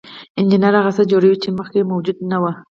انجینر هغه څه جوړوي چې مخکې موجود نه وو.